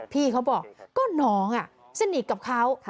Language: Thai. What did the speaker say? พี่เขาบอกก็น้องสนิทกับเขา